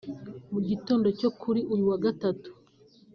Mu gitondo cyo kuri uyu wa Gatatu